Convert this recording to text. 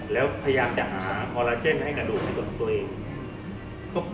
แล้วพยายามจะหาคอลลาเจนให้กระดูกให้กับตัวเอง